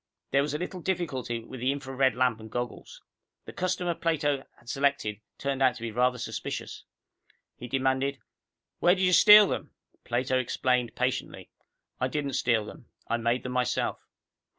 There was a little difficulty with the infra red lamp and goggles. The customer Plato had selected turned out to be rather suspicious. He demanded, "Where did you steal them?" Plato explained patiently, "I didn't steal them. I made them myself."